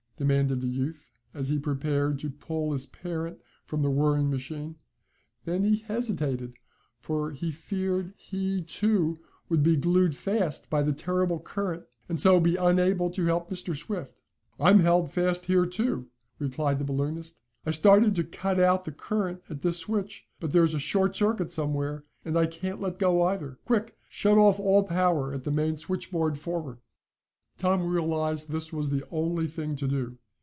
demanded the youth, as he prepared to pull his parent from the whirring machine. Then he hesitated, for he feared he, too, would be glued fast by the terrible current, and so be unable to help Mr. Swift. "I'm held fast here, too," replied the balloonist. "I started to cut out the current at this switch, but there's a short circuit somewhere, and I can't let go, either. Quick, shut off all power at the main switchboard forward." Tom realized that this was the only thing to do.